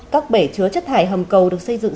các bể chứa chất thải hầm cầu được xây dựng